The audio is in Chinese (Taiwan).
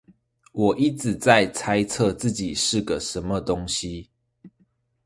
我一直在猜測自己是個什麼東西